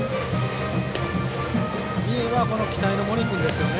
三重は期待の森君ですよね。